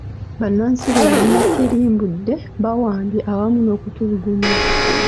Bannansi be bamu batirimbudde, bawambye awamu n'okutulugunya